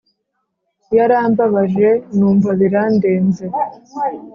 Yarambabaje numva birandenze